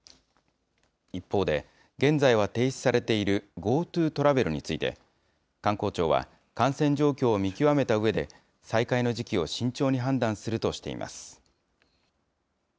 一方で、現在は停止されているＧｏＴｏトラベルについて観光庁は、感染状況を見極めたうえで、再開の時期を慎重に判断するとしています。